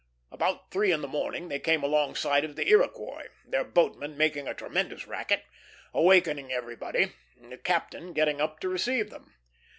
About three in the morning they came alongside of the Iroquois, their boatmen making a tremendous racket, awaking everybody, the captain getting up to receive them.